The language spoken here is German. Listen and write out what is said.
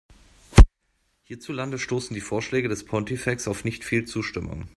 Hierzulande stoßen die Vorschläge des Pontifex auf nicht viel Zustimmung.